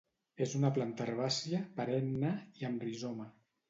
És una planta herbàcia, perenne i amb rizoma.